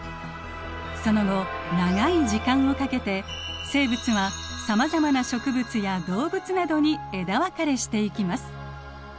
その後長い時間をかけて生物はさまざまな植物や動物などに枝分かれしていきます。